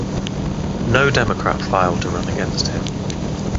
No Democrat filed to run against him.